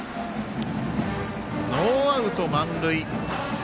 ノーアウト、満塁。